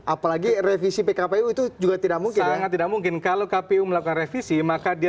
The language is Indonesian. apalagi revisi pkpu itu juga tidak mungkin tidak mungkin kalau kpu melakukan revisi maka dia